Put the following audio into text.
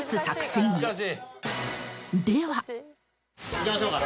いきましょうか。